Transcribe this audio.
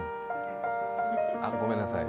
あ、ごめんなさい。